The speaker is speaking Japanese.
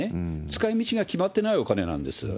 使いみちが決まってないお金なんです。